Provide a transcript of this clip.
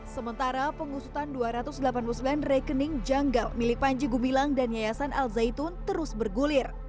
sementara pengusutan dua ratus delapan puluh sembilan rekening janggal milik panji gumilang dan yayasan al zaitun terus bergulir